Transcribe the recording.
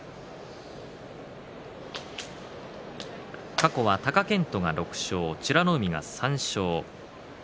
過去は貴健斗の６勝美ノ海の３勝。